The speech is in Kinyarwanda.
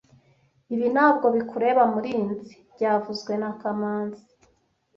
Ibi ntabwo bikureba, Murinzi byavuzwe na kamanzi